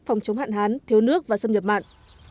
phòng chống hạn hán thiếu nước và xâm nhập mạng